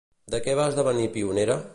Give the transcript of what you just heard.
De què va esdevenir pionera?